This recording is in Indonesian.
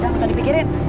udah gak usah dipikirin